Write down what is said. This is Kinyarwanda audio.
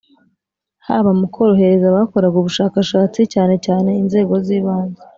haba mu korohereza abakoraga ubushakashatsi cyane cyane inzego z ibanze